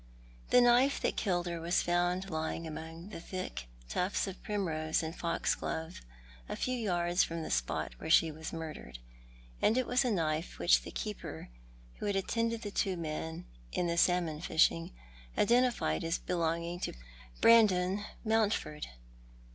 The knife that killed her was found lying among the thick tufts of primrose and foxglove a few yards from the spot where she was murdered, and it was a knife which the keeper who bad attended the two men in the salmon fishing identified as belonging to Brandon Mountford.